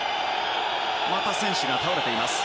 また選手が倒れています。